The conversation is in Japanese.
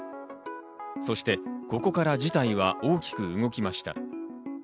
そしてここから事態は大きく動きました。